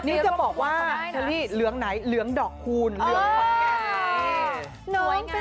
นี่จะบอกว่าเชอรี่เหลืองไหนเหลืองดอกคูณเหลืองขอนแก่น